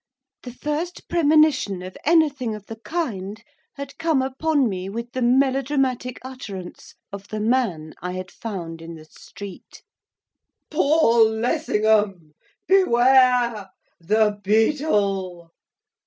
The first premonition of anything of the kind had come upon me with the melodramatic utterance of the man I had found in the street. 'Paul Lessingham! Beware! The Beetle!